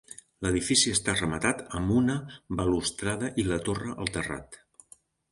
L'edifici està rematat amb una balustrada i la torre al terrat.